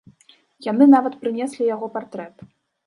Яны нават прынеслі яго партрэт.